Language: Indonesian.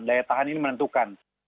daya tahan ini menentukan